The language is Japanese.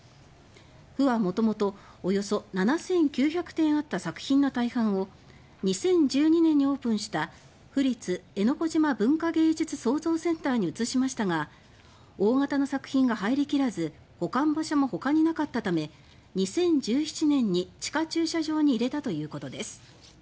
府はもともとおよそ７９００点あった作品の大半を２０１２年にオープンした「府立江之子島文化芸術創造センター」に移しましたが大型の作品が入りきらず保管場所もほかになかったため２０１７年に地下駐車場に入れたということです。